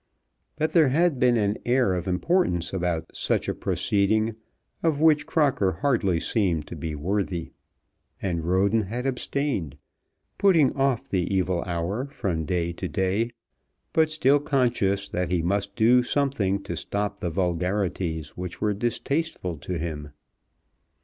But there had been an air of importance about such a proceeding of which Crocker hardly seemed to be worthy; and Roden had abstained, putting off the evil hour from day to day, but still conscious that he must do something to stop vulgarities which were distasteful to him.